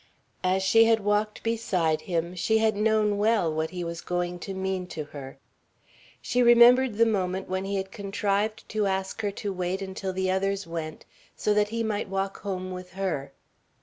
As she had walked beside him she had known well what he was going to mean to her. She remembered the moment when he had contrived to ask her to wait until the others went, so that he might walk home with her.